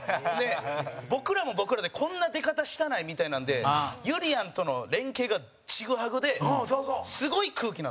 僕らも僕らでこんな出方したないみたいなんでゆりやんとの連係がちぐはぐですごい空気になったんですよ。